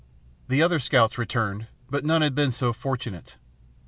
The other scouts returned, but none had been so fortunate.